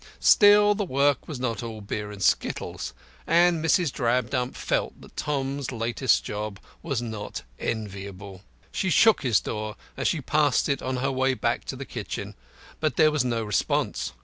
Still, the work was not all beer and skittles, and Mrs. Drabdump felt that Tom's latest job was not enviable. She shook his door as she passed it on her way back to the kitchen, but there was no response.